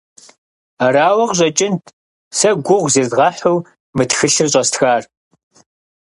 Арауэ къыщӏэкӏынт сэ гугъу зезгъэхьу мы тхылъыр щӏэстхар.